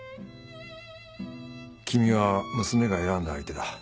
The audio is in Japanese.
君は娘が選んだ相手だ。